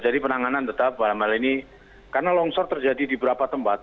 jadi penanganan tetap malam ini karena longsor terjadi di beberapa tempat